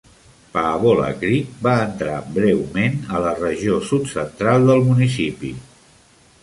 Paavola Creek va entrar breument a la regió sud-central del municipi.